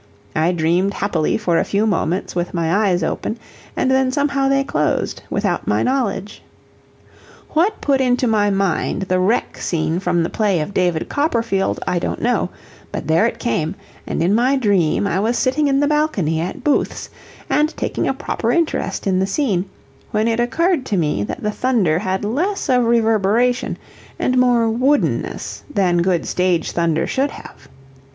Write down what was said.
I dreamed happily for a few moments with my eyes open, and then somehow they closed, without my knowledge. What put into my mind the wreck scene from the play of "David Copperfield," I don't know; but there it came, and in my dream I was sitting in the balcony at Booth's, and taking a proper interest in the scene, when it occurred to me that the thunder had less of reverberation and more woodenness than good stage thunder should have.